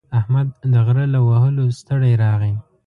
احمد د غره له وهلو ستړی راغی.